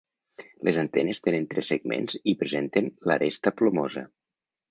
Les antenes tenen tres segments i presenten l'aresta plomosa.